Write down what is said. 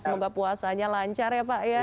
semoga puasanya lancar ya pak ya